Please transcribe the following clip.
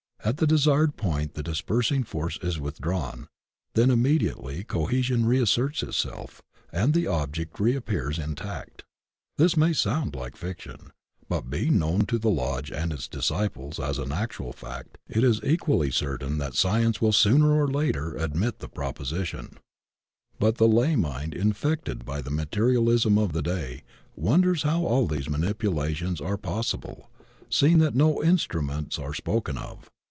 At the desired point the dispersing force is withdrawn, when imme diately cohesion reasserts itself and the object reap pears intact. This may sound like fiction, but being known to the Lodge and its desciples as an actual fact, it is equally certain that Science will sooner or later admit the proposition. 138 THE OCBAN OF THEOSOPHY But the lay mind infected by the materialism of the day wonders how all these manipulations are pos sible, seeing that no instruments are spoken of.